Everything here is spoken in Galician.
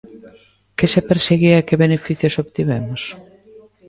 ¿Que se perseguía e que beneficios obtivemos?